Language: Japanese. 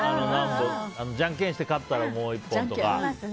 じゃんけんして勝ったらもう１本とか。